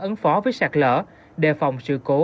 ấn phó với sạc lỡ để phòng sự cố